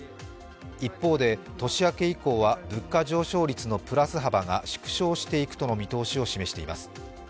一方で年明け以降は物価上昇率のプラス幅が縮小していくとの見通しを示しています。